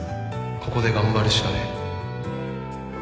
ここで頑張るしかねえ